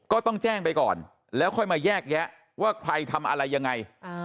ก็ต้องแจ้งไปก่อนแล้วค่อยมาแยกแยะว่าใครทำอะไรยังไง